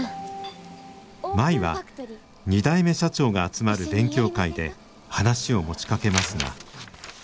舞は２代目社長が集まる勉強会で話を持ちかけますが。